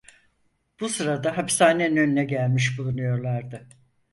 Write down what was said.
Bu sırada hapishanenin önüne gelmiş bulunuyorlardı.